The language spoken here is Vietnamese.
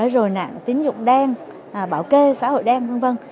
rồi nạn tín dụng đen bảo kê xã hội đen v v